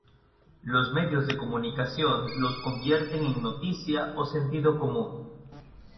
los medios de comunicación los convierten en noticia o sentido común